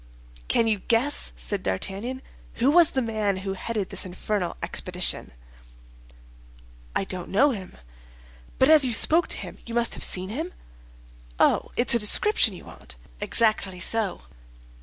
"Can you guess," said D'Artagnan, "who was the man who headed this infernal expedition?" "I don't know him." "But as you spoke to him you must have seen him." "Oh, it's a description you want?" "Exactly so."